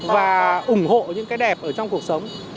và ủng hộ những cái đẹp ở trong cuộc sống